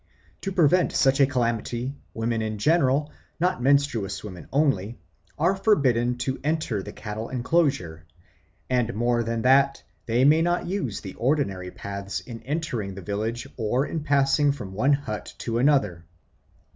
To prevent such a calamity women in general, not menstruous women only, are forbidden to enter the cattle enclosure; and more than that, they may not use the ordinary paths in entering the village or in passing from one hut to another.